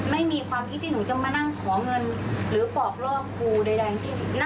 ไม่มีความคิดที่หนูจะมานั่งขอเงินหรือปอกลอกครูใด